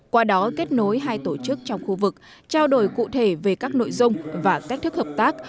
qua đó kết nối hai tổ chức trong khu vực trao đổi cụ thể về các nội dung và cách thức hợp tác